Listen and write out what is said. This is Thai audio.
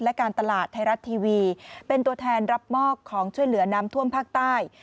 และการตลาดไทยรัฐทีวีเป็นตัวแทนรับมอบของช่วยเหลือน้ำท่วมภาคใต้